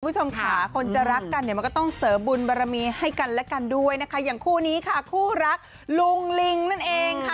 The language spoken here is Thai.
คุณผู้ชมค่ะคนจะรักกันเนี่ยมันก็ต้องเสริมบุญบารมีให้กันและกันด้วยนะคะอย่างคู่นี้ค่ะคู่รักลุงลิงนั่นเองค่ะ